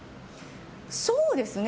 そうですね。